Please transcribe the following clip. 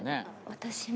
私も。